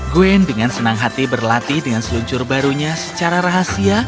gwen dengan senang hati berlatih dengan seluncur barunya secara rahasia